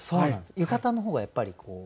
浴衣の方がやっぱり？